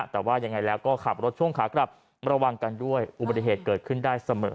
แต่ว่ายังไงแล้วก็ขับรถช่วงขากลับระวังกันด้วยอุบัติเหตุเกิดขึ้นได้เสมอ